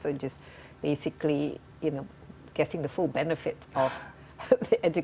dan juga hanya mengambil keuntungan penuh